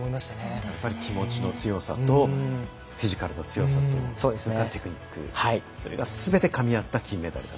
やっぱり気持ちの強さとフィジカルの強さとそれからテクニックそれがすべてかみ合った金メダル